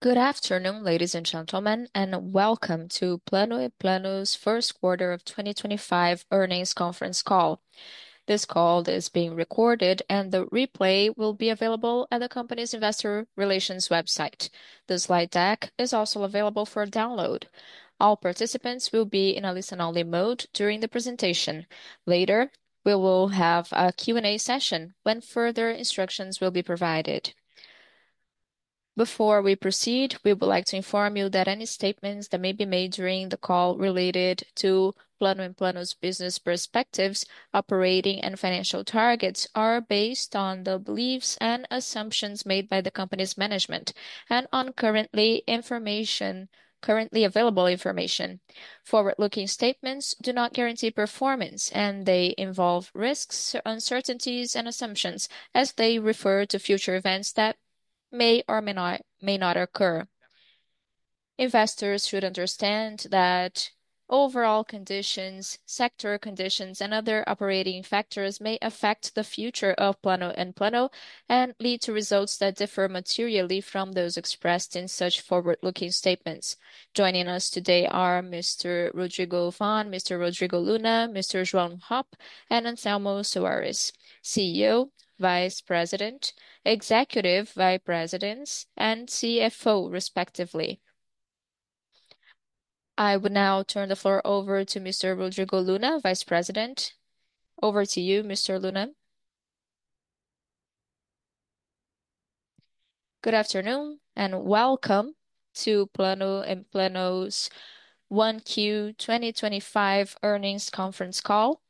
Good afternoon, ladies and gentlemen, and welcome to Plano & Plano's Q1 of 2025 earnings conference call. This call is being recorded, and the replay will be available at the company's investor relations website. The slide deck is also available for download. All participants will be in a listen-only mode during the presentation. Later, we will have a Q&A session when further instructions will be provided. Before we proceed, we would like to inform you that any statements that may be made during the call related to Plano & Plano's business perspectives, operating and financial targets are based on the beliefs and assumptions made by the company's management and on currently available information. Forward-looking statements do not guarantee performance, and they involve risks, uncertainties, and assumptions as they refer to future events that may or may not occur. Investors should understand that overall conditions, sector conditions, and other operating factors may affect the future of Plano & Plano and lead to results that differ materially from those expressed in such forward-looking statements. Joining us today are Mr. Rodrigo Fairbanks von Uhlendorff, Mr. Rodrigo Luna, Mr. João Luís Ramos Hopp, and Anselmo Soares, CEO, Vice President, Executive Vice Presidents, and CFO respectively. I would now turn the floor over to Mr. Rodrigo Luna, Vice President. Over to you, Mr. Luna. Good afternoon, and welcome to Plano & Plano's 1Q 2025 earnings conference call.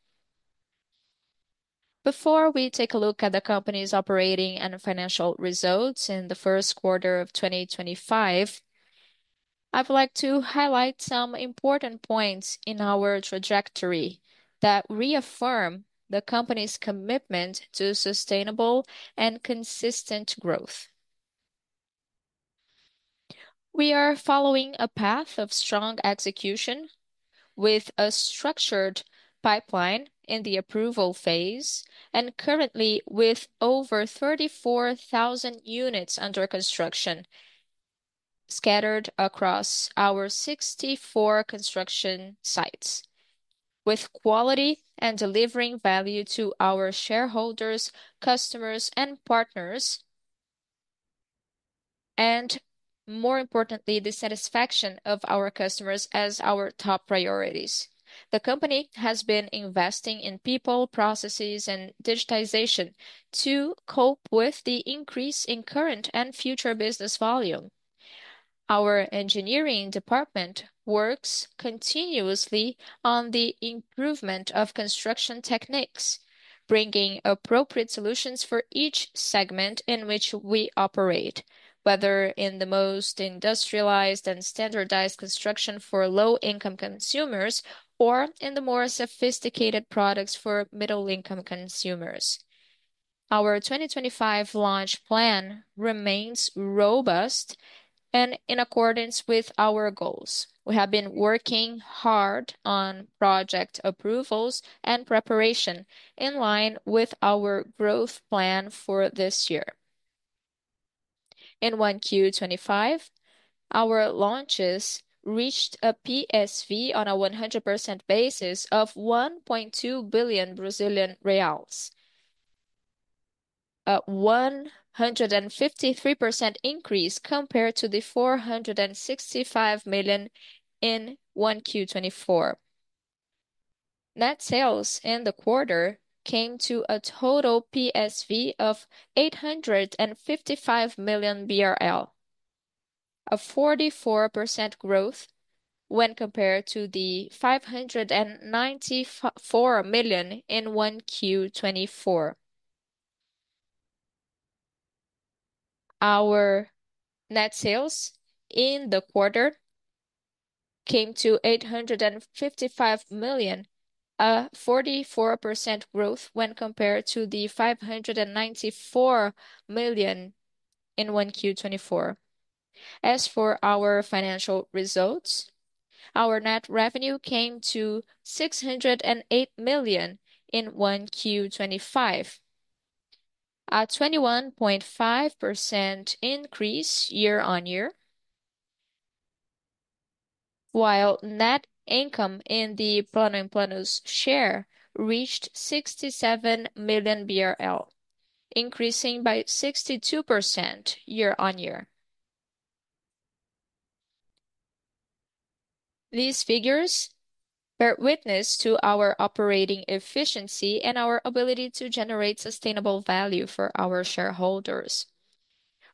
Before we take a look at the company's operating and financial results in the Q1 of 2025, I would like to highlight some important points in our trajectory that reaffirm the company's commitment to sustainable and consistent growth. We are following a path of strong execution with a structured pipeline in the approval phase, and currently with over 34,000 units under construction, scattered across our 64 construction sites. With quality and delivering value to our shareholders, customers, and partners and, more importantly, the satisfaction of our customers as our top priorities. The company has been investing in people, processes, and digitization to cope with the increase in current and future business volume. Our engineering department works continuously on the improvement of construction techniques, bringing appropriate solutions for each segment in which we operate, whether in the most industrialized and standardized construction for low-income consumers or in the more sophisticated products for middle-income consumers. Our 2025 launch plan remains robust and in accordance with our goals. We have been working hard on project approvals and preparation in line with our growth plan for this year. In 1Q25, our launches reached a PSV on a 100% basis of 1.2 billion Brazilian reais, a 153% increase compared to the 465 million in 1Q24. Net sales in the quarter came to a total PSV of 855 million BRL, a 44% growth when compared to the 594 million in 1Q24. Our net sales in the quarter came to 855 million, a 44% growth when compared to the 594 million in 1Q24. As for our financial results, our net revenue came to 608 million in 1Q25, a 21.5% increase year-on-year. While net income in the Plano & Plano's share reached 67 million BRL, increasing by 62% year-on-year. These figures bear witness to our operating efficiency and our ability to generate sustainable value for our shareholders.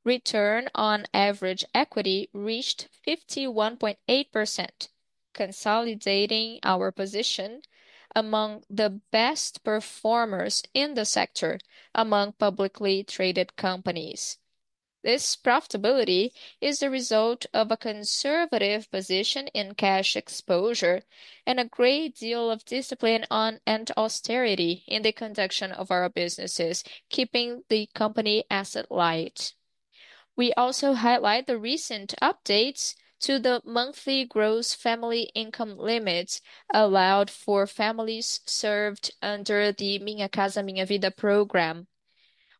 Return on average equity reached 51.8%, consolidating our position among the best performers in the sector among publicly traded companies. This profitability is the result of a conservative position in cash exposure and a great deal of discipline and austerity in the conduct of our businesses, keeping the company asset-light. We also highlight the recent updates to the monthly gross family income limits allowed for families served under the Minha Casa, Minha Vida program,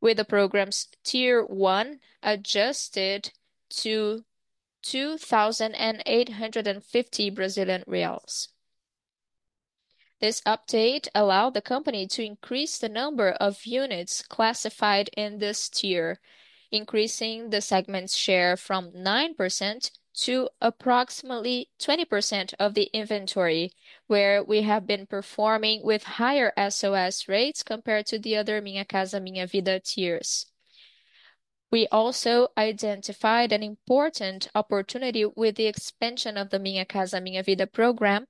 with the program's tier one adjusted to BRL 2,850. This update allowed the company to increase the number of units classified in this tier, increasing the segment's share from 9% to approximately 20% of the inventory, where we have been performing with higher SOS rates compared to the other Minha Casa, Minha Vida tiers. We also identified an important opportunity with the expansion of the Minha Casa, Minha Vida program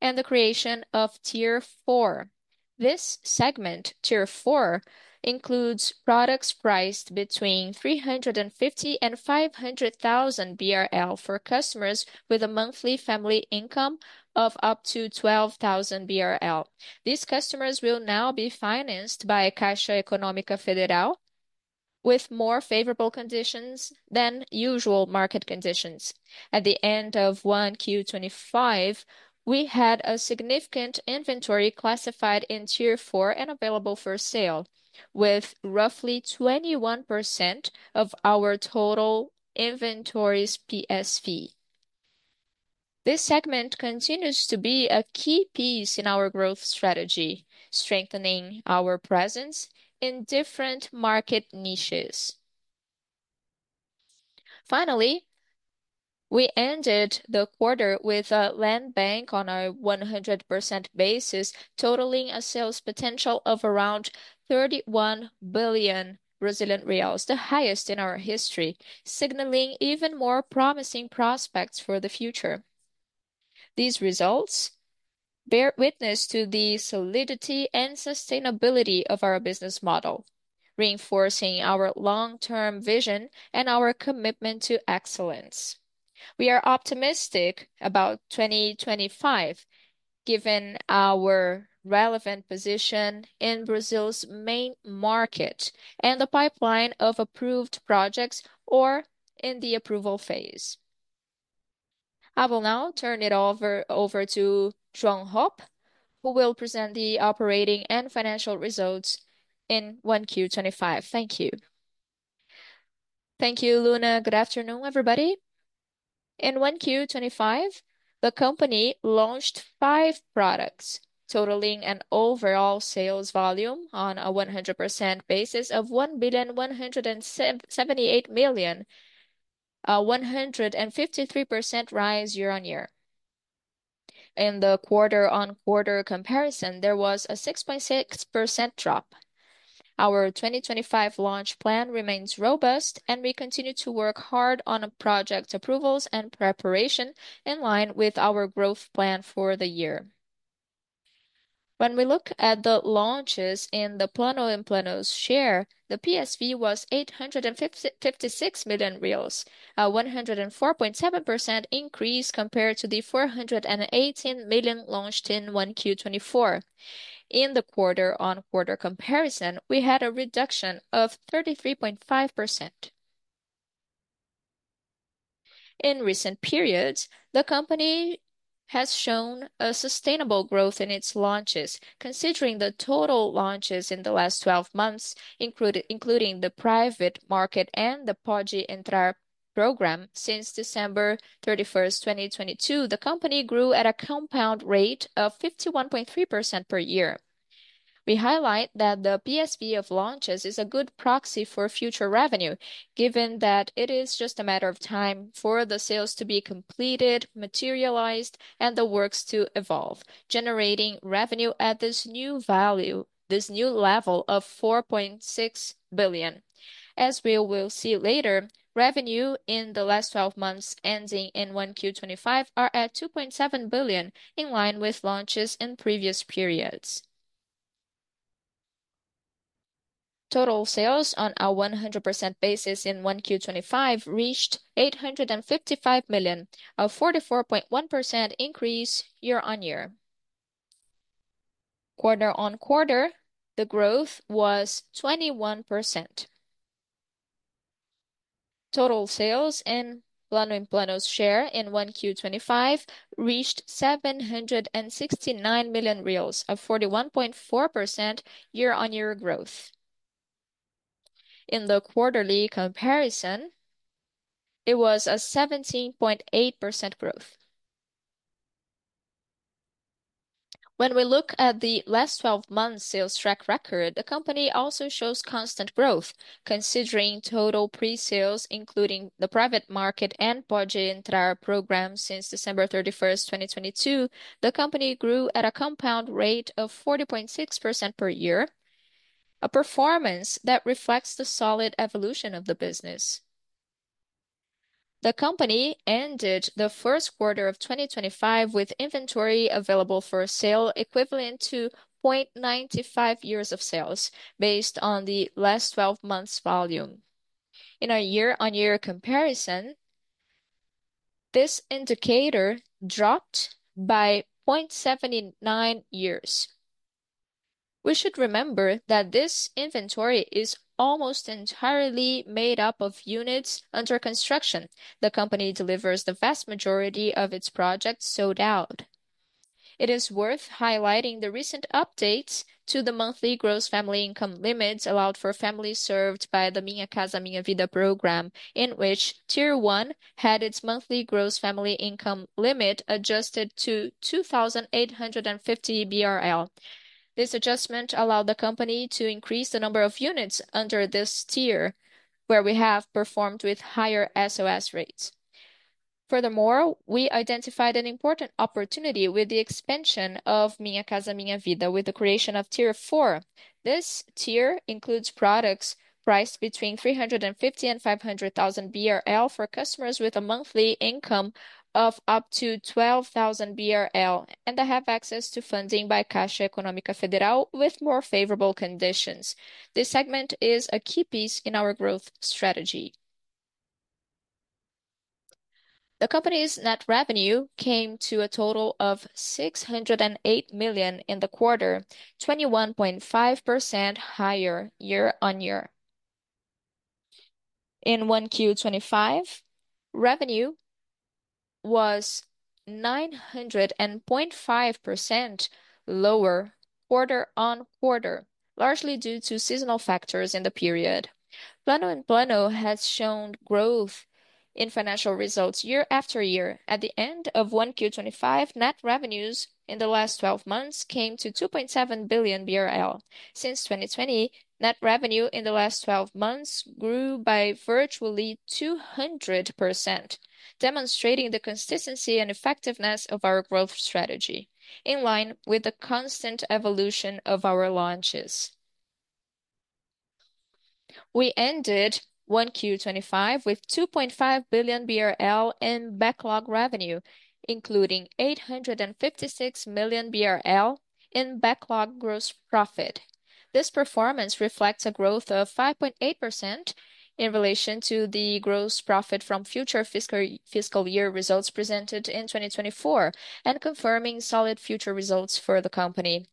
and the creation of tier four. This segment, tier four, includes products priced between 350,000 and 500,000 BRL for customers with a monthly family income of up to 12,000 BRL. These customers will now be financed by Caixa Econômica Federal with more favorable conditions than usual market conditions. At the end of 1Q25, we had a significant inventory classified in tier four and available for sale, with roughly 21% of our total inventories PSV. This segment continues to be a key piece in our growth strategy, strengthening our presence in different market niches. Finally, we ended the quarter with a land bank on a 100% basis, totaling a sales potential of around 31 billion Brazilian reais, the highest in our history, signaling even more promising prospects for the future. These results bear witness to the solidity and sustainability of our business model, reinforcing our long-term vision and our commitment to excellence. We are optimistic about 2025, given our relevant position in Brazil's main market and the pipeline of approved projects or in the approval phase. I will now turn it over to João Hopp, who will present the operating and financial results in 1Q25. Thank you. Thank you, Luna. Good afternoon, everybody. In 1Q25, the company launched five products totaling an overall sales volume on a 100% basis of 1,178 million, a 153% rise year-over-year. In the quarter-over-quarter comparison, there was a 6.6% drop. Our 2025 launch plan remains robust, and we continue to work hard on project approvals and preparation in line with our growth plan for the year. When we look at the launches in the Plano & Plano's share, the PSV was 856 million reais, a 104.7% increase compared to the 418 million launched in 1Q24. In the quarter-on-quarter comparison, we had a reduction of 33.5%. In recent periods, the company has shown a sustainable growth in its launches. Considering the total launches in the last 12 months, including the private market and the Pode Entrar program since December 31, 2022, the company grew at a compound rate of 51.3% per year. We highlight that the PSV of launches is a good proxy for future revenue, given that it is just a matter of time for the sales to be completed, materialized, and the works to evolve, generating revenue at this new value, this new level of 4.6 billion. As we will see later, revenue in the last 12 months ending in 1Q25 are at 2.7 billion, in line with launches in previous periods. Total sales on a 100% basis in 1Q25 reached 855 million, a 44.1% increase year-on-year. Quarter-on-quarter, the growth was 21%. Total sales in Plano & Plano's share in 1Q25 reached 769 million reais, a 41.4% year-on-year growth. In the quarterly comparison, it was a 17.8% growth. When we look at the last 12 months sales track record, the company also shows constant growth. Considering total presales, including the private market and Pode Entrar programs since December 31, 2022, the company grew at a compound rate of 40.6% per year, a performance that reflects the solid evolution of the business. The company ended the Q1 of 2025 with inventory available for sale equivalent to 0.95 years of sales based on the last 12 months volume. In a year-on-year comparison, this indicator dropped by 0.79 years. We should remember that this inventory is almost entirely made up of units under construction. The company delivers the vast majority of its projects sold out. It is worth highlighting the recent updates to the monthly gross family income limits allowed for families served by the Minha Casa, Minha Vida program, in which Tier One had its monthly gross family income limit adjusted to 2,850 BRL. This adjustment allowed the company to increase the number of units under this tier, where we have performed with higher SOS rates. Furthermore, we identified an important opportunity with the expansion of Minha Casa, Minha Vida with the creation of Tier Four. This tier includes products priced between 350,000-500,000 BRL for customers with a monthly income of up to 12,000 BRL, and they have access to funding by Caixa Econômica Federal with more favorable conditions. This segment is a key piece in our growth strategy. The company's net revenue came to a total of 608 million in the quarter, 21.5% higher year-on-year. In 1Q25, revenue was 90.5% lower quarter-on-quarter, largely due to seasonal factors in the period. Plano & Plano has shown growth in financial results year after year. At the end of 1Q25, net revenues in the last twelve months came to 2.7 billion BRL. Since 2020, net revenue in the last twelve months grew by virtually 200%, demonstrating the consistency and effectiveness of our growth strategy in line with the constant evolution of our launches. We ended 1Q25 with 2.5 billion BRL in backlog revenue, including 856 million BRL in backlog gross profit. This performance reflects a growth of 5.8% in relation to the gross profit from future fiscal year results presented in 2024 and confirming solid future results for the company.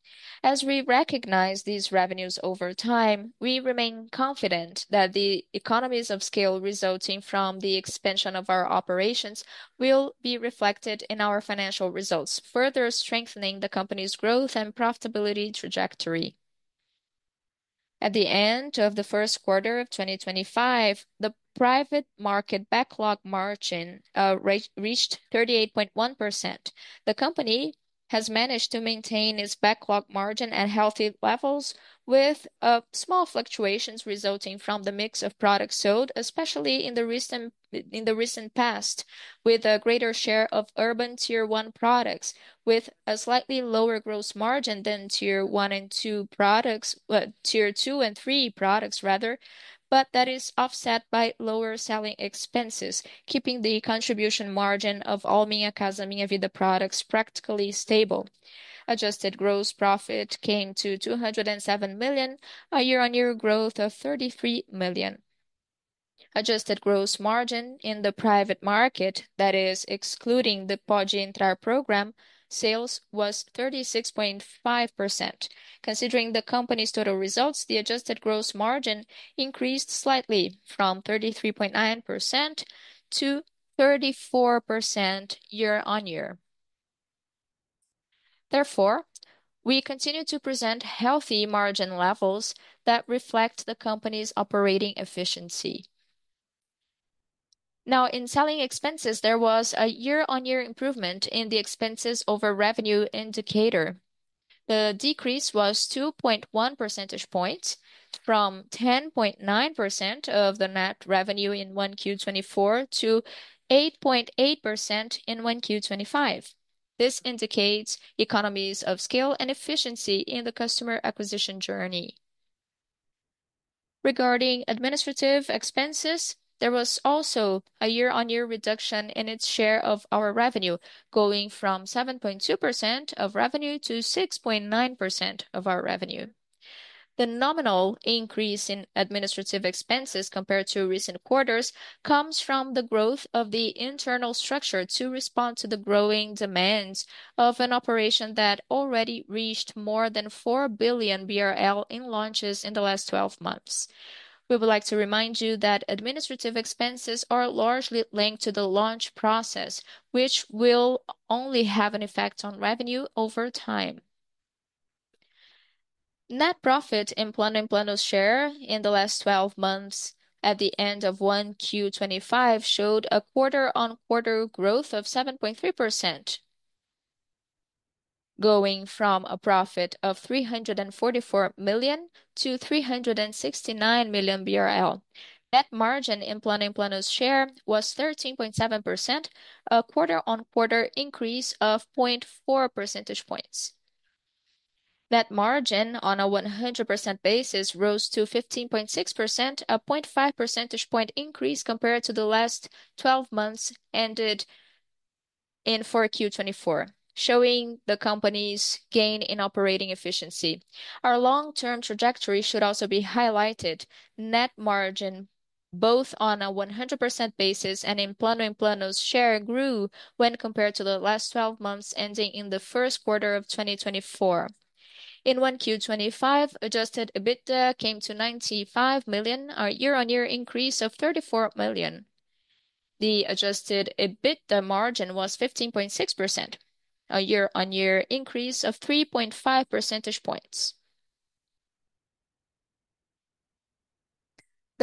As we recognize these revenues over time, we remain confident that the economies of scale resulting from the expansion of our operations will be reflected in our financial results, further strengthening the company's growth and profitability trajectory. At the end of 1Q25, the private market backlog margin reached 38.1%. The company has managed to maintain its backlog margin at healthy levels with small fluctuations resulting from the mix of products sold, especially in the recent past, with a greater share of urban Tier One products, with a slightly lower gross margin than Tier Two and Three products rather, but that is offset by lower selling expenses, keeping the contribution margin of all Minha Casa, Minha Vida products practically stable. Adjusted gross profit came to 207 million, a year-on-year growth of 33 million. Adjusted gross margin in the private market, that is excluding the Pode Entrar program sales, was 36.5%. Considering the company's total results, the adjusted gross margin increased slightly from 33.9% to 34% year-on-year. Therefore, we continue to present healthy margin levels that reflect the company's operating efficiency. Now, in selling expenses, there was a year-on-year improvement in the expenses over revenue indicator. The decrease was 2.1 percentage points from 10.9% of the net revenue in 1Q2024 to 8.8% in 1Q2025. This indicates economies of scale and efficiency in the customer acquisition journey. Regarding administrative expenses, there was also a year-on-year reduction in its share of our revenue, going from 7.2% of revenue to 6.9% of our revenue. The nominal increase in administrative expenses compared to recent quarters comes from the growth of the internal structure to respond to the growing demands of an operation that already reached more than 4 billion BRL in launches in the last twelve months. We would like to remind you that administrative expenses are largely linked to the launch process, which will only have an effect on revenue over time. Net profit in Plano & Plano's share in the last twelve months at the end of 1Q25 showed a quarter-on-quarter growth of 7.3%, going from a profit of 344 million to 369 million BRL. Net margin in Plano & Plano's share was 13.7%, a quarter-on-quarter increase of 0.4 percentage points. Net margin on a 100% basis rose to 15.6%, a 0.5 percentage point increase compared to the last twelve months ended in 4Q2024, showing the company's gain in operating efficiency. Our long-term trajectory should also be highlighted. Net margin, both on a 100% basis and in Plano & Plano's share grew when compared to the last twelve months ending in the Q1 of 2024. In 1Q2025, adjusted EBITDA came to 95 million, a year-on-year increase of 34 million. The adjusted EBITDA margin was 15.6%, a year-on-year increase of 3.5 percentage points.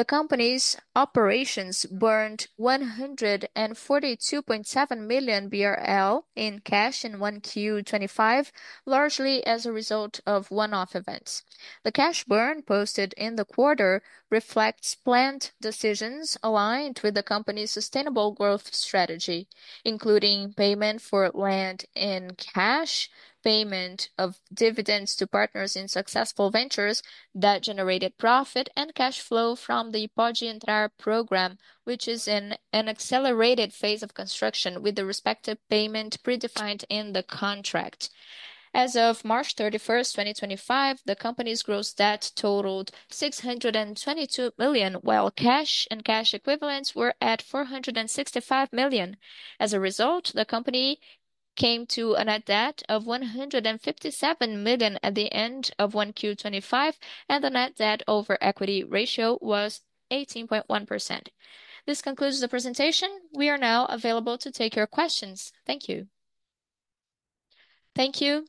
The company's operations burned 142.7 million BRL in cash in 1Q2025, largely as a result of one-off events. The cash burn posted in the quarter reflects planned decisions aligned with the company's sustainable growth strategy, including payment for land in cash, payment of dividends to partners in successful ventures that generated profit and cash flow from the Pode Entrar program, which is in an accelerated phase of construction with the respective payment predefined in the contract. As of March 31, 2025, the company's gross debt totaled 622 million, while cash and cash equivalents were at 465 million. As a result, the company came to a net debt of 157 million at the end of 1Q25, and the net debt over equity ratio was 18.1%. This concludes the presentation. We are now available to take your questions. Thank you. Thank you.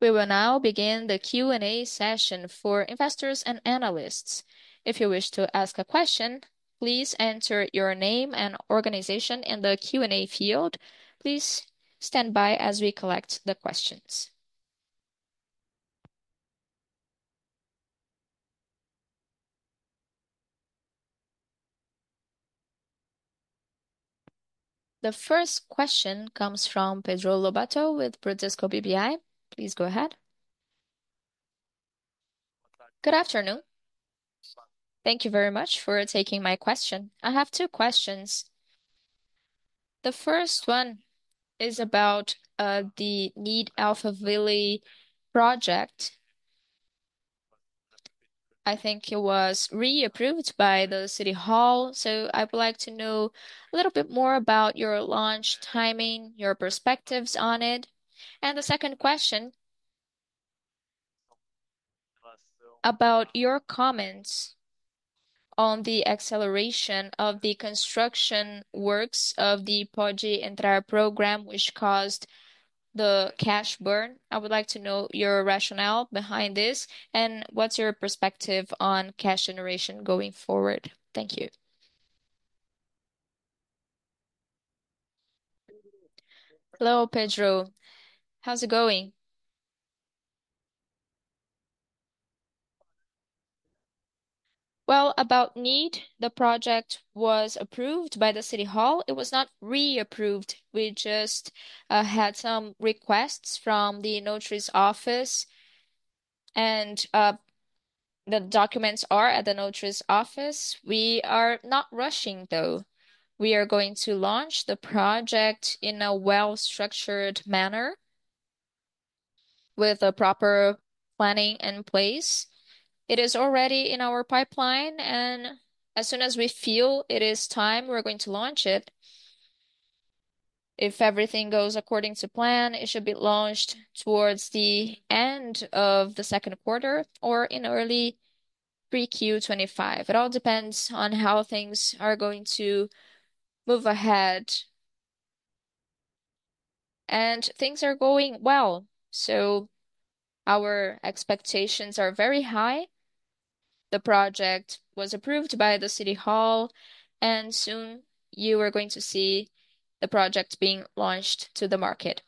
We will now begin the Q&A session for investors and analysts. If you wish to ask a question, please enter your name and organization in the Q&A field. Please stand by as we collect the questions. The first question comes from Pedro Lobato with Bradesco BBI. Please go ahead. Good afternoon. Thank you very much for taking my question. I have two questions. The first one is about the Nid Alphaville project. I think it was reapproved by the city hall, so I would like to know a little bit more about your launch timing, your perspectives on it. The second question about your comments on the acceleration of the construction works of the Pode Entrar program which caused the cash burn. I would like to know your rationale behind this, and what's your perspective on cash generation going forward. Thank you. Hello, Pedro. How's it going? Well, about Nid, the project was approved by the city hall. It was not reapproved. We just had some requests from the notary's office, and the documents are at the notary's office. We are not rushing, though. We are going to launch the project in a well-structured manner with a proper planning in place. It is already in our pipeline, and as soon as we feel it is time, we're going to launch it. If everything goes according to plan, it should be launched towards the end of the Q2 or in early pre-Q25. It all depends on how things are going to move ahead. Things are going well, so our expectations are very high. The project was approved by the city hall, and soon you are going to see the project being launched to the market.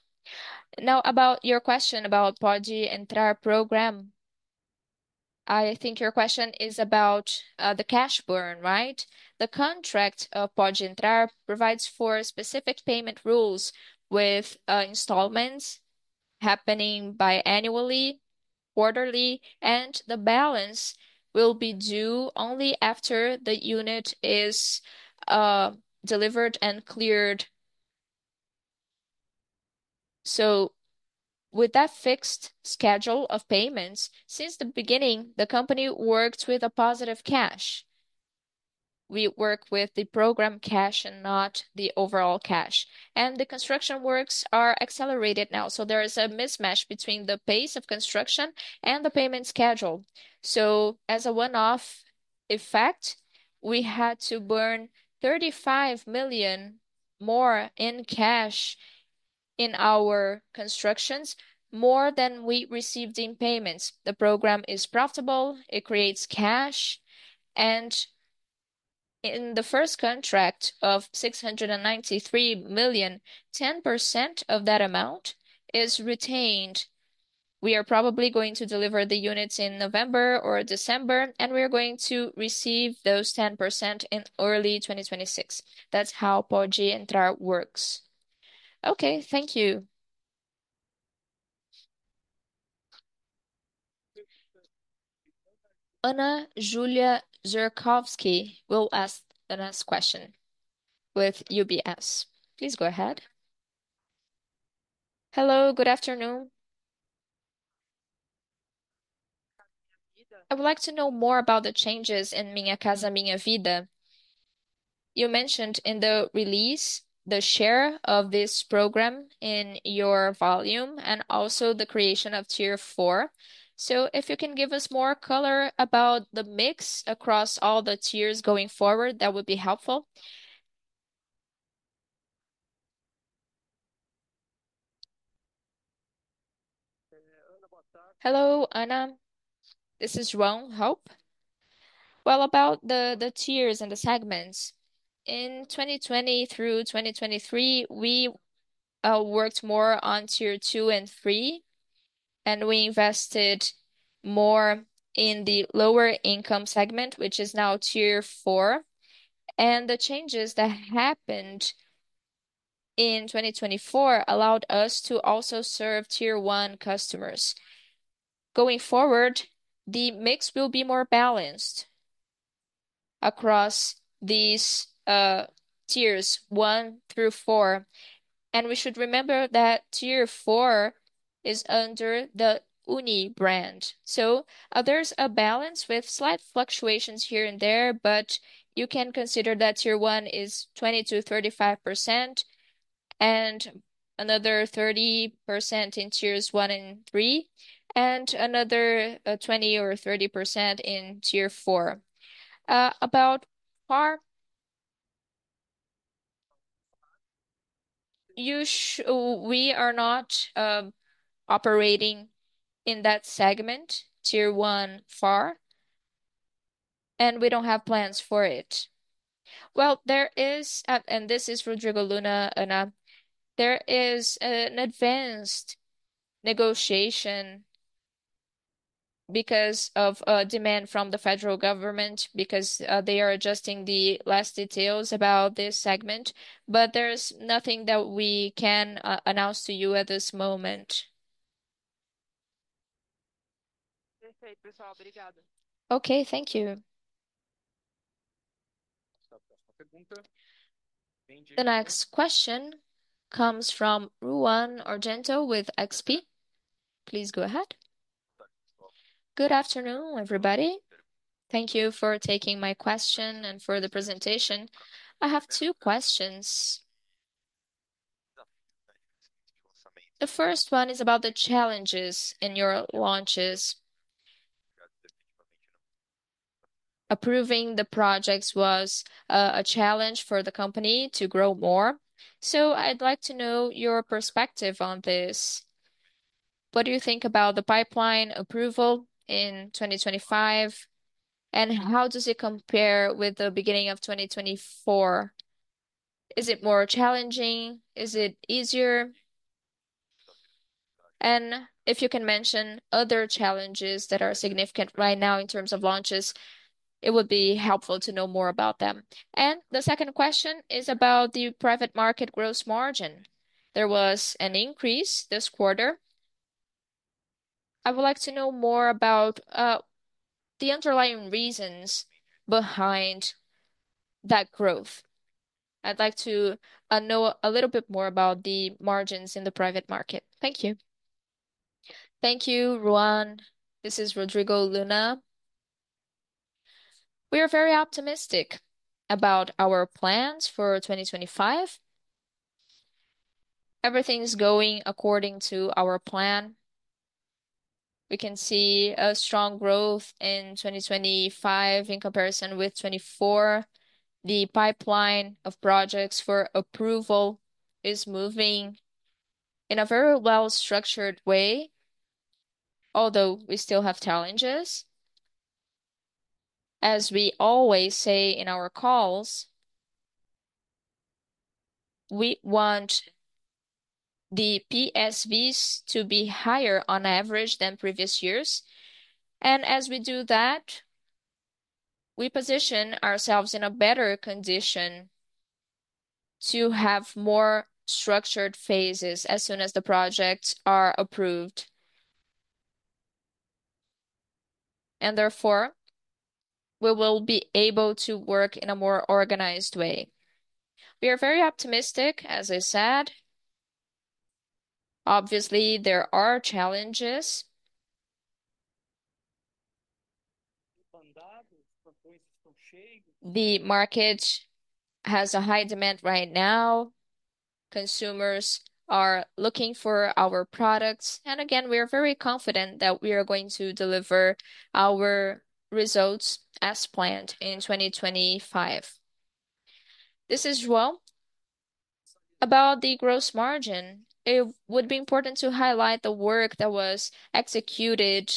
Now, about your question about Pode Entrar program, I think your question is about the cash burn, right? The contract of Pode Entrar provides for specific payment rules with installments happening biannually, quarterly, and the balance will be due only after the unit is delivered and cleared. With that fixed schedule of payments, since the beginning, the company worked with a positive cash. We work with the program cash and not the overall cash. The construction works are accelerated now, so there is a mismatch between the pace of construction and the payment schedule. As a one-off effect, we had to burn 35 million more in cash in our constructions, more than we received in payments. The program is profitable. It creates cash. In the first contract of 693 million, 10% of that amount is retained. We are probably going to deliver the units in November or December, and we are going to receive those 10% in early 2026. That's how Pode Entrar works. Okay, thank you. Ana Julia Zurfkowski will ask the next question with UBS. Please go ahead. Hello, good afternoon. I would like to know more about the changes in Minha Casa, Minha Vida. You mentioned in the release the share of this program in your volume and also the creation of tier four. So if you can give us more color about the mix across all the tiers going forward, that would be helpful. Hello, Ana. This is João Hopp. Well, about the tiers and the segments. In 2020 through 2023, we worked more on tier two and three, and we invested more in the lower income segment, which is now tier four. The changes that happened in 2024 allowed us to also serve Tier 1 customers. Going forward, the mix will be more balanced across these tiers, 1 through 4. We should remember that Tier 4 is under the Uni brand. There's a balance with slight fluctuations here and there, but you can consider that Tier 1 is 20%-35%, and another 30% in tiers 2 and 3, and another 20% or 30% in Tier 4. About FAR. We are not operating in that segment, Tier 1 FAR, and we don't have plans for it. This is Rodrigo Uchoa Luna, Ana.There is an advanced negotiation because of demand from the federal government because they are adjusting the last details about this segment, but there's nothing that we can announce to you at this moment. Okay, thank you. The next question comes from Ruan Argenton with XP. Please go ahead. Good afternoon, everybody. Thank you for taking my question and for the presentation. I have two questions. The first one is about the challenges in your launches. Approving the projects was a challenge for the company to grow more. I'd like to know your perspective on this. What do you think about the pipeline approval in 2025, and how does it compare with the beginning of 2024? Is it more challenging? Is it easier? If you can mention other challenges that are significant right now in terms of launches, it would be helpful to know more about them. The second question is about the private market gross margin. There was an increase this quarter. I would like to know more about the underlying reasons behind that growth. I'd like to know a little bit more about the margins in the private market. Thank you. Thank you, Ruan Argenton. This is Rodrigo Luna. We are very optimistic about our plans for 2025. Everything is going according to our plan. We can see a strong growth in 2025 in comparison with 2024. The pipeline of projects for approval is moving in a very well-structured way, although we still have challenges. As we always say in our calls, we want the PSVs to be higher on average than previous years. As we do that, we position ourselves in a better condition to have more structured phases as soon as the projects are approved. Therefore, we will be able to work in a more organized way. We are very optimistic, as I said. Obviously, there are challenges. The market has a high demand right now. Consumers are looking for our products. Again, we are very confident that we are going to deliver our results as planned in 2025. This is João. About the gross margin, it would be important to highlight the work that was executed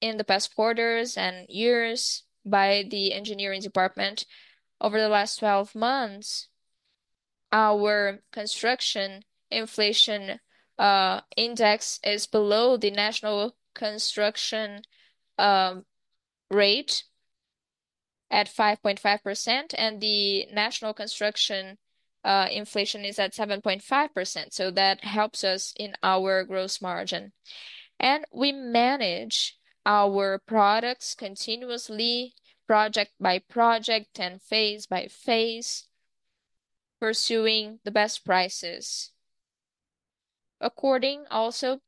in the past quarters and years by the engineering department. Over the last twelve months, our construction inflation index is below the national construction rate at 5.5%, and the national construction inflation is at 7.5%, so that helps us in our gross margin. We manage our products continuously, project by project and phase by phase, pursuing the best prices according also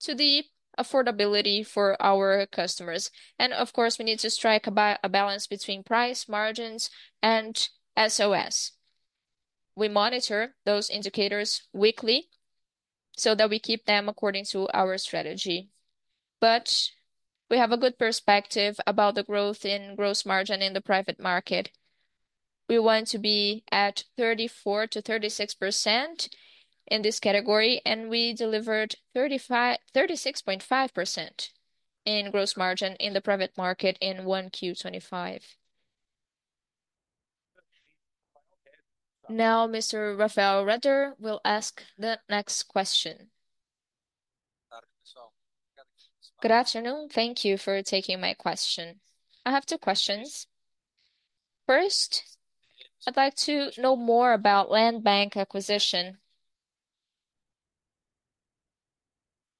to the affordability for our customers. Of course, we need to strike a balance between price margins and SOS. We monitor those indicators weekly so that we keep them according to our strategy. We have a good perspective about the growth in gross margin in the private market. We want to be at 34%-36% in this category, and we delivered 36.5% in gross margin in the private market in 1Q25. Now, Mr. Rafael Amodeo will ask the next question. Good afternoon. Thank you for taking my question. I have two questions. First, I'd like to know more about land bank acquisition.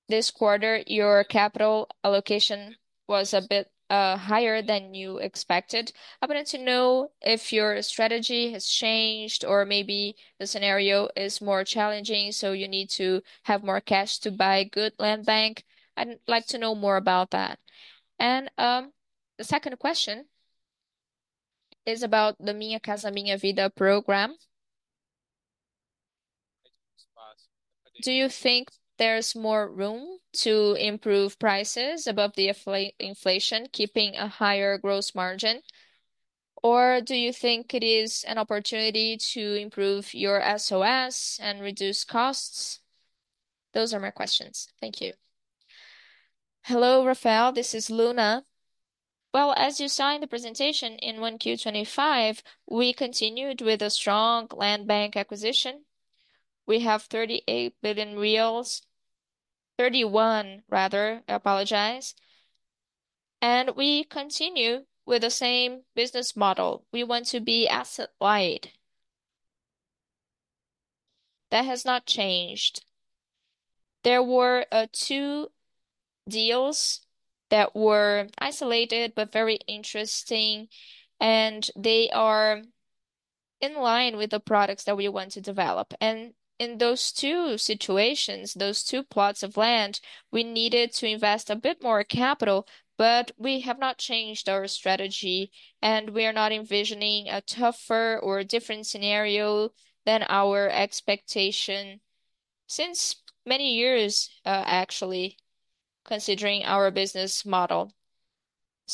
This quarter, your capital allocation was a bit higher than you expected. I wanted to know if your strategy has changed or maybe the scenario is more challenging, so you need to have more cash to buy good land bank. I'd like to know more about that. The second question is about the Minha Casa, Minha Vida program. Do you think there's more room to improve prices above the inflation, keeping a higher gross margin? Or do you think it is an opportunity to improve your SOS and reduce costs? Those are my questions. Thank you. Hello, Rafael. This is Rodrigo Luna. Well, as you saw in the presentation, in 1Q25, we continued with a strong land bank acquisition. We have 38 billion reais. 31 billion, rather. I apologize. We continue with the same business model. We want to be asset-light. That has not changed. There were 2 deals that were isolated but very interesting, and they are in line with the products that we want to develop. In those 2 situations, those 2 plots of land, we needed to invest a bit more capital, but we have not changed our strategy, and we are not envisioning a tougher or different scenario than our expectation since many years, actually, considering our business model.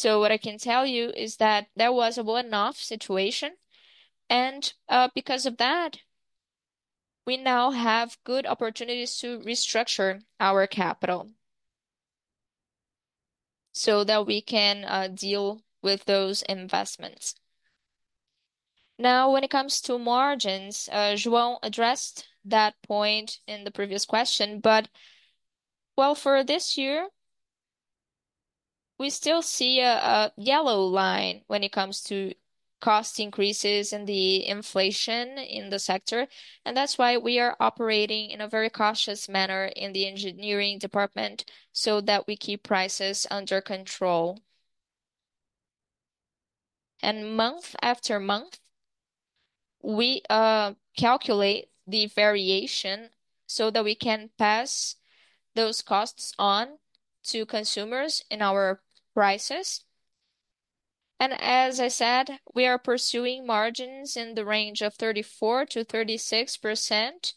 What I can tell you is that that was a one-off situation, and because of that, we now have good opportunities to restructure our capital so that we can deal with those investments. Now, when it comes to margins, João addressed that point in the previous question. Well, for this year, we still see a yellow line when it comes to cost increases and the inflation in the sector, and that's why we are operating in a very cautious manner in the engineering department, so that we keep prices under control. Month after month, we calculate the variation so that we can pass those costs on to consumers in our prices. As I said, we are pursuing margins in the range of 34%-36%,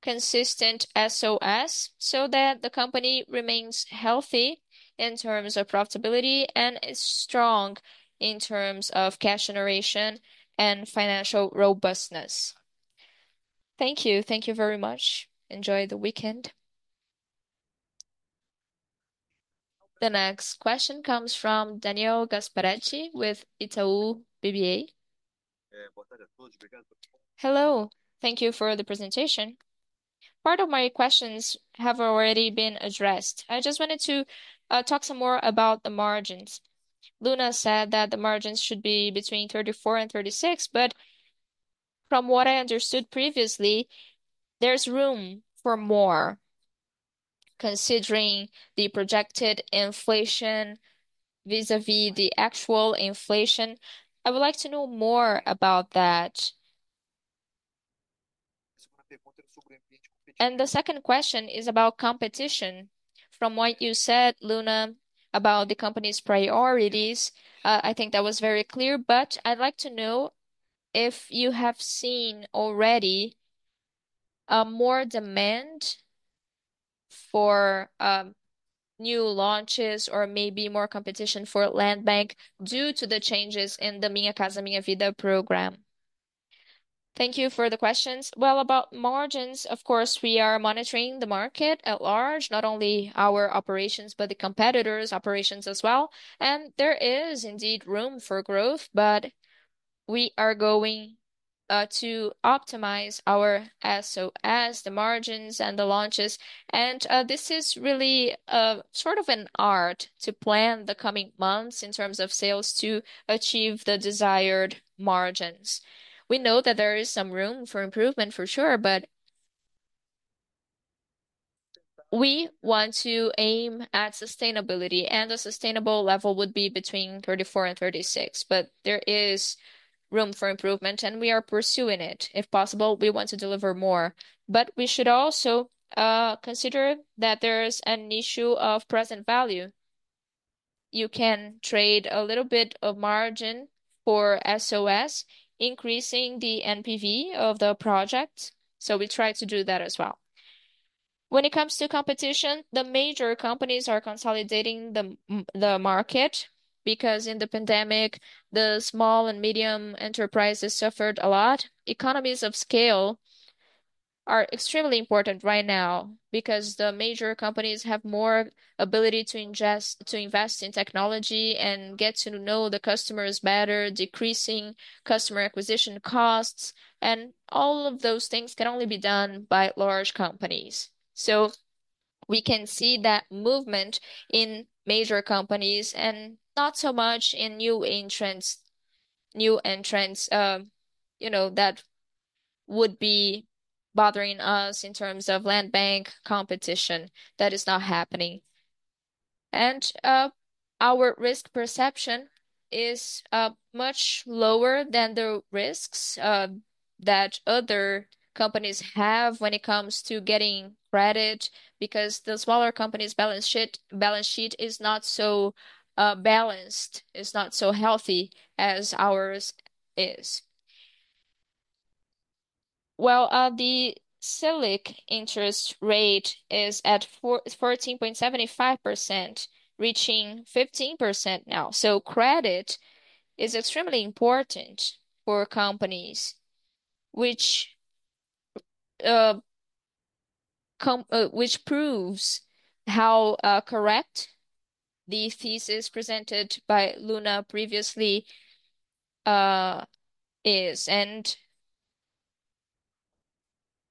consistent SOS so that the company remains healthy in terms of profitability and is strong in terms of cash generation and financial robustness. Thank you. Thank you very much. Enjoy the weekend. The next question comes from Daniel Gasparete with Itaú BBA. Hello. Thank you for the presentation. Part of my questions have already been addressed. I just wanted to talk some more about the margins. Luna said that the margins should be between 34%-36%, but from what I understood previously, there's room for more considering the projected inflation vis-à-vis the actual inflation. I would like to know more about that. The second question is about competition. From what you said, Luna, about the company's priorities, I think that was very clear. I'd like to know if you have seen already more demand for new launches or maybe more competition for land bank due to the changes in the Minha Casa, Minha Vida program. Thank you for the questions. Well, about margins, of course, we are monitoring the market at large, not only our operations, but the competitors' operations as well. There is indeed room for growth, but we are going to optimize our SOS, the margins and the launches. This is really sort of an art to plan the coming months in terms of sales to achieve the desired margins. We know that there is some room for improvement for sure, but we want to aim at sustainability, and a sustainable level would be between 34% and 36%. There is room for improvement, and we are pursuing it. If possible, we want to deliver more. We should also consider that there is an issue of present value. You can trade a little bit of margin for SOS, increasing the NPV of the project. We try to do that as well. When it comes to competition, the major companies are consolidating the market because in the pandemic, the small and medium enterprises suffered a lot. Economies of scale are extremely important right now because the major companies have more ability to invest in technology and get to know the customers better, decreasing customer acquisition costs, and all of those things can only be done by large companies. We can see that movement in major companies and not so much in new entrants that would be bothering us in terms of land bank competition. That is not happening. Our risk perception is much lower than the risks that other companies have when it comes to getting credit because the smaller companies' balance sheet is not so balanced. It's not so healthy as ours is. The Selic interest rate is at 14.75%, reaching 15% now. Credit is extremely important for companies which proves how correct the thesis presented by Luna previously is.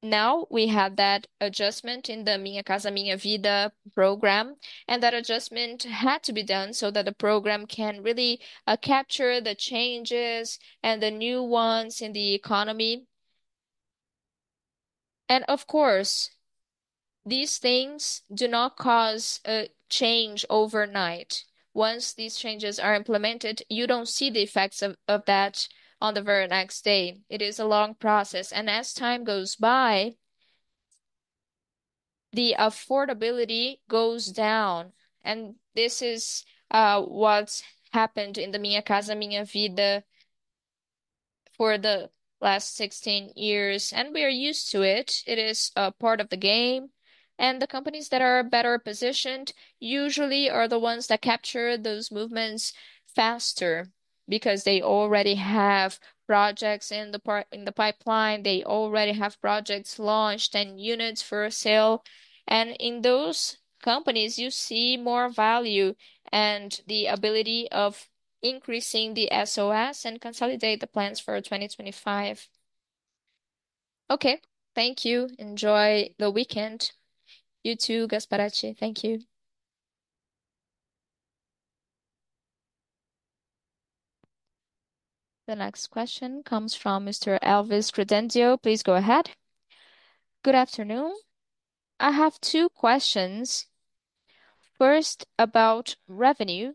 Now we have that adjustment in the Minha Casa, Minha Vida program, and that adjustment had to be done so that the program can really capture the changes and the new ones in the economy. Of course, these things do not cause a change overnight. Once these changes are implemented, you don't see the effects of that on the very next day. It is a long process, and as time goes by, the affordability goes down. This is what's happened in the Minha Casa, Minha Vida for the last 16 years, and we are used to it. It is a part of the game. The companies that are better positioned usually are the ones that capture those movements faster because they already have projects in the pipeline. They already have projects launched and units for sale. In those companies, you see more value and the ability of increasing the SOS and consolidate the plans for 2025. Okay. Thank you. Enjoy the weekend. You too, Gasparete. Thank you. The next question comes from Mr. Elvis Credendio. Please go ahead. Good afternoon. I have two questions. First, about revenue.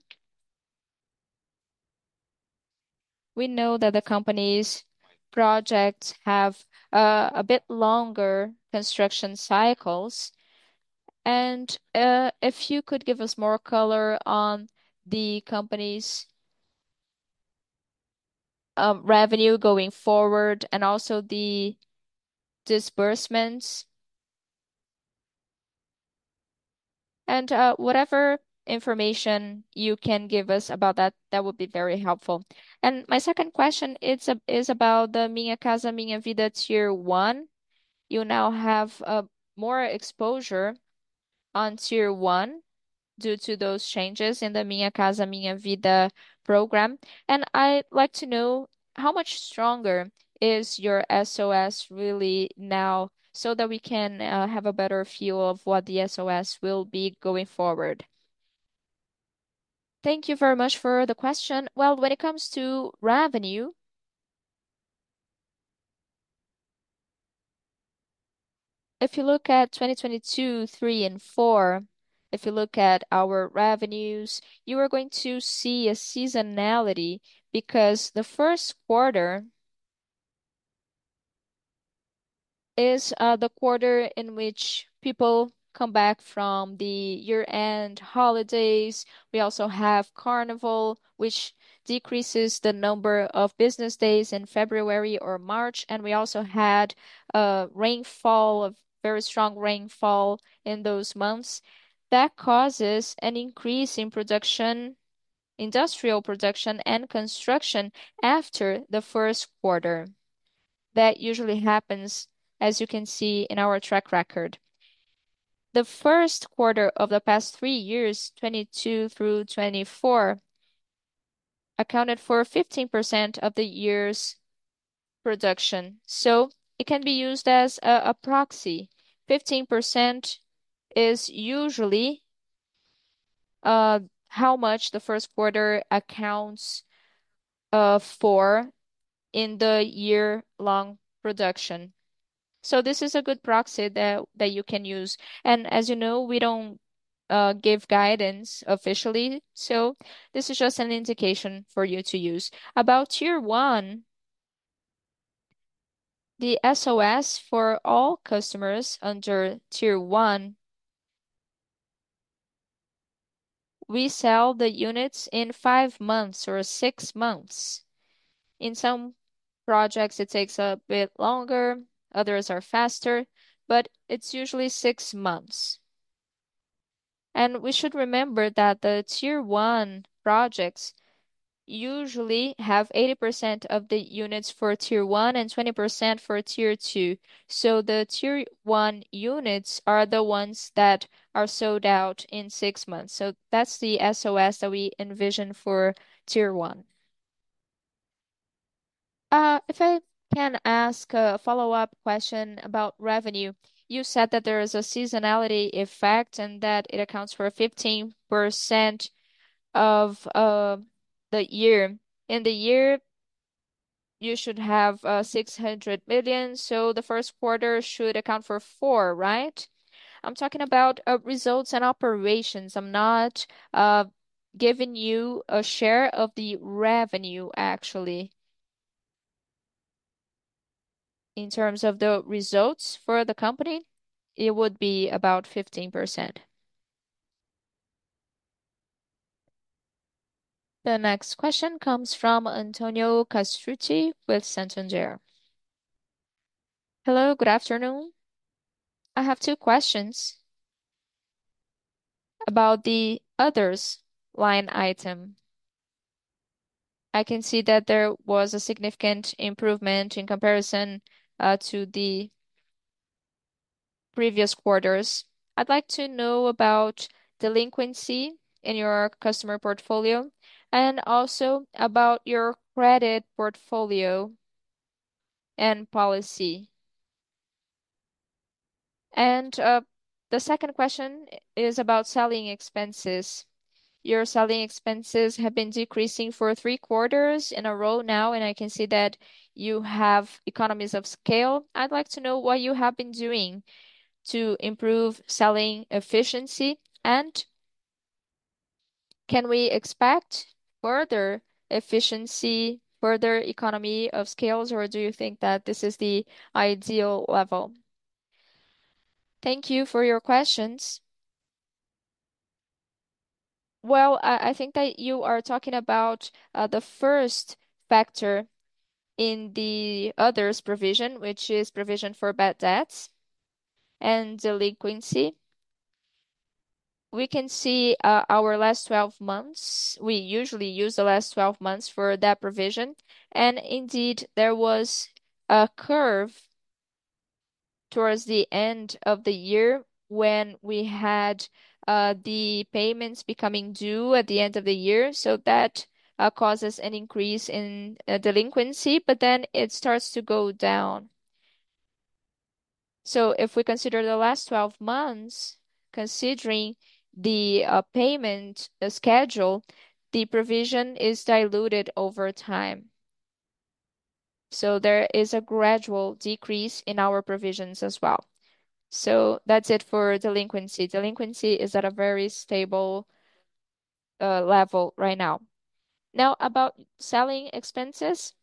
We know that the company's projects have a bit longer construction cycles, and if you could give us more color on the company's revenue going forward and also the disbursements. Whatever information you can give us about that would be very helpful. My second question is about the Minha Casa, Minha Vida Tier One. You now have more exposure on Tier One due to those changes in the Minha Casa, Minha Vida program, and I'd like to know how much stronger is your SOS really now so that we can have a better feel of what the SOS will be going forward. Thank you very much for the question. Well, when it comes to revenue, if you look at 2022, 2023 and 2024, if you look at our revenues, you are going to see a seasonality because the Q1 is the quarter in which people come back from the year-end holidays. We also have Carnival, which decreases the number of business days in February or March, and we also had very strong rainfall in those months. That causes an increase in production, industrial production and construction after the Q1. That usually happens, as you can see in our track record. The Q1 of the past three years, 2022 through 2024, accounted for 15% of the year's production, so it can be used as a proxy. 15% is usually how much the Q1 accounts for in the year-long production. This is a good proxy that you can use. As you know, we don't give guidance officially, so this is just an indication for you to use. About Tier 1, the SOS for all customers under Tier 1. We sell the units in five months or six months. In some projects it takes a bit longer, others are faster, but it's usually six months. We should remember that the Tier 1 projects usually have 80% of the units for Tier 1 and 20% for Tier 2. The Tier 1 units are the ones that are sold out in six months. That's the SOS that we envision for Tier 1. If I can ask a follow-up question about revenue. You said that there is a seasonality effect and that it accounts for 15% of the year. In the year, you should have 600 million, so the Q1 should account for 40 million, right? I'm talking about results and operations. I'm not giving you a share of the revenue, actually. In terms of the results for the company, it would be about 15%. The next question comes from Antonio Castrucci with Santander. Hello, good afternoon. I have two questions about the others line item. I can see that there was a significant improvement in comparison to the previous quarters. I'd like to know about delinquency in your customer portfolio, and also about your credit portfolio and policy. The second question is about selling expenses. Your selling expenses have been decreasing for three quarters in a row now, and I can see that you have economies of scale. I'd like to know what you have been doing to improve selling efficiency, and can we expect further efficiency, further economies of scale, or do you think that this is the ideal level? Thank you for your questions. Well, I think that you are talking about the first factor in the other provisions, which is provision for bad debts and delinquency. We can see our last twelve months. We usually use the last twelve months for that provision. Indeed, there was a curve towards the end of the year when we had the payments becoming due at the end of the year. That causes an increase in delinquency, but then it starts to go down. If we consider the last twelve months, considering the payment schedule, the provision is diluted over time. There is a gradual decrease in our provisions as well. That's it for delinquency. Delinquency is at a very stable level right now. Now, about selling expenses.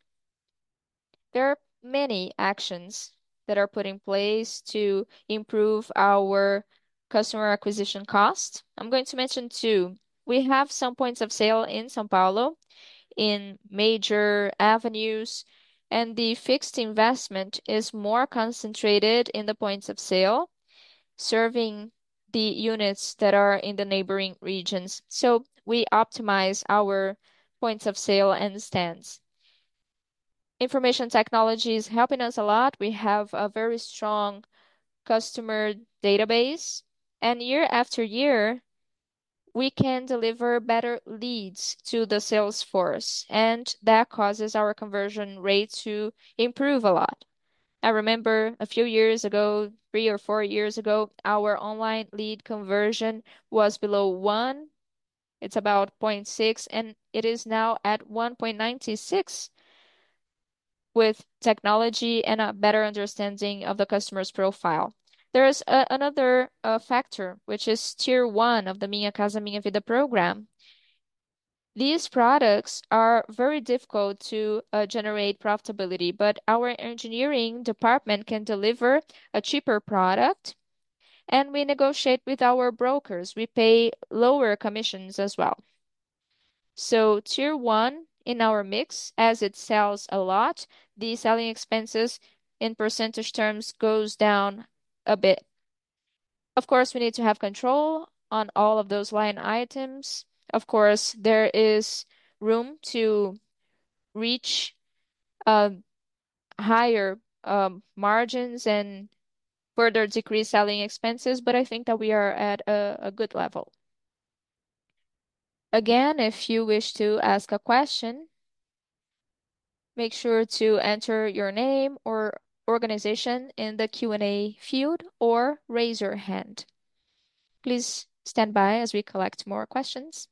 There are many actions that are put in place to improve our customer acquisition cost. I'm going to mention two. We have some points of sale in São Paulo in major avenues, and the fixed investment is more concentrated in the points of sale, serving the units that are in the neighboring regions. We optimize our points of sale and stands. Information technology is helping us a lot. We have a very strong customer database, and year after year, we can deliver better leads to the sales force, and that causes our conversion rate to improve a lot. I remember a few years ago, three or four years ago, our online lead conversion was below one. It's about 0.6%, and it is now at 1.96% with technology and a better understanding of the customer's profile. There is another factor, which is Tier 1 of the Minha Casa, Minha Vida program. These products are very difficult to generate profitability, but our engineering department can deliver a cheaper product, and we negotiate with our brokers. We pay lower commissions as well. Tier 1 in our mix, as it sells a lot, the selling expenses in percentage terms goes down a bit. Of course, we need to have control on all of those line items. Of course, there is room to reach higher margins and further decrease selling expenses, but I think that we are at a good level. Again, if you wish to ask a question, make sure to enter your name or organization in the Q&A field or raise your hand. Please stand by as we collect more questions.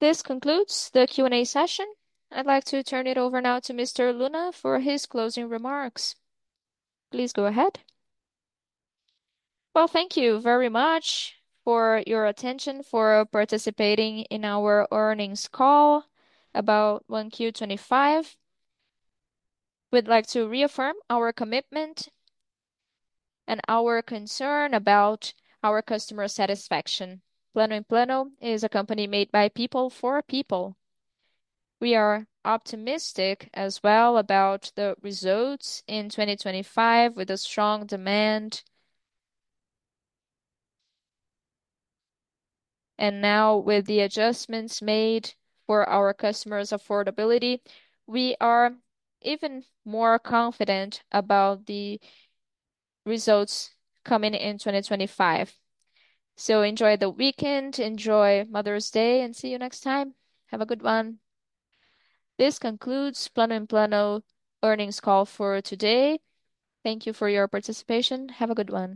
This concludes the Q&A session. I'd like to turn it over now to Mr. Luna for his closing remarks. Please go ahead. Well, thank you very much for your attention, for participating in our earnings call about 1Q25. We'd like to reaffirm our commitment and our concern about our customer satisfaction. Plano & Plano is a company made by people for people. We are optimistic as well about the results in 2025 with a strong demand. Now with the adjustments made for our customers' affordability, we are even more confident about the results coming in 2025. Enjoy the weekend, enjoy Mother's Day, and see you next time. Have a good one. This concludes Plano & Plano earnings call for today. Thank you for your participation. Have a good one.